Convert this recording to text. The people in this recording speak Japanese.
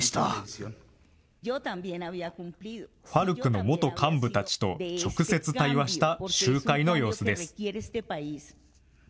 ＦＡＲＣの元幹部たちと直接対話した集会の様子です。